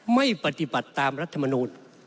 ไม่ปฏิบัติตามรัฐมนูล